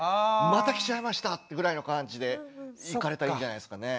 「また来ちゃいました！」ってぐらいの感じで行かれたらいいんじゃないですかね。